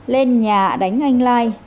lên nhà đánh anh lai